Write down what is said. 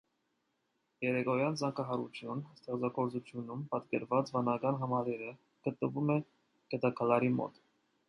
«Երեկոյան զանգահարություն» ստեղծագործությունում պատկերված վանական համալիրը գտնվում է գետագալարի մոտ։